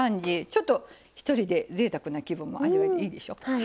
ちょっと一人でぜいたくな気分も味わえていいでしょ。